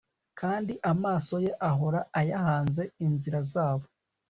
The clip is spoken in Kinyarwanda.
kandi amaso ye ahora ayahanze inzira zabo